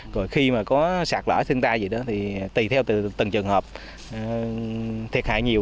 rồi khi mà có sạt lỡ thiên tai gì đó thì tùy theo từng trường hợp thiệt hại nhiều